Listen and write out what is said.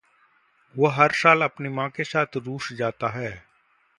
वह हर साल अपनी माँ के साथ रूस जाता है।